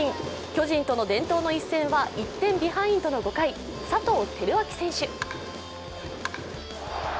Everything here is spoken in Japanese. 巨人との伝統の一戦は１点ビハインドの５回佐藤輝明選手。